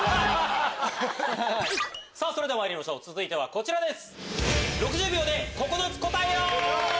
それではまいりましょう続いてはこちらです。